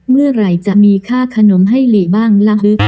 เมื่อไหร่จะมีค่าขนมให้หลีบ้างละฮึก